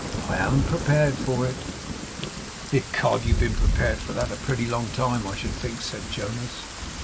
I am prepared for it.' 'Ecod! you've been prepared for that a pretty long time, I should think,' said Jonas.